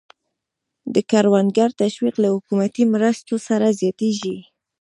د کروندګرو تشویق له حکومتي مرستو سره زیاتېږي.